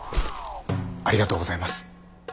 ありがとうございます。